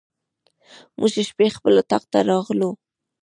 موږ شپې خپل اطاق ته راغلو.